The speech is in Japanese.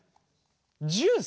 ジュース？